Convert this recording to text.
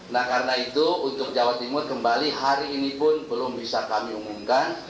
nah karena itu untuk jawa timur kembali hari ini pun belum bisa kami umumkan